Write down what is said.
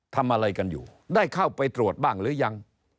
ทำอะไรกันอยู่ได้เข้าไปตรวจบ้างหรือยัง